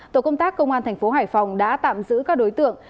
tổ công tác công an thành phố hải phòng đã tạm giữ các đối tượng